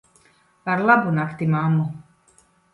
Ar labu nakti, mammu.